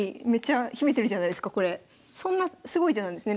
そんなすごい手なんですね